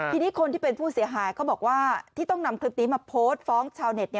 ทีนี้คนที่เป็นผู้เสียหายเขาบอกว่าที่ต้องนำคลิปนี้มาโพสต์ฟ้องชาวเน็ต